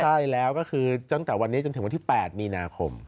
ใช่แล้วก็คือตั้งแต่วันนี้จนถึงวันที่๘มีนาคม